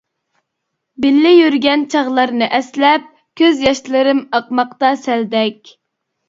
بىللە يۈرگەن چاغلارنى ئەسلەپ، كۆز ياشلىرىم ئاقماقتا سەلدەك.